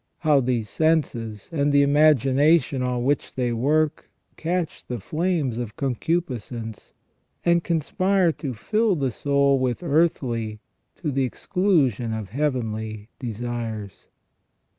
How these senses, and the imagination on which they work, catch the flames of concupiscence, and conspire to fill the soul with earthly to the exclusion of heavenly desires